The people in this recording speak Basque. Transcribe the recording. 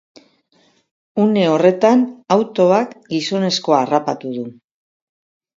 Une horretan, autoak gizonezkoa harrapatu du.